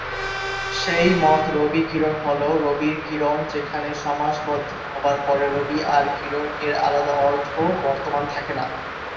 সেই মত রবি-কিরণ হলো রবির কিরণ যেখানে সমাস বদ্ধ হবার পরে রবি আর কিরণ এর আলাদা অর্থ বর্তমান থাকে না।